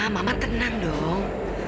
mama tenang dong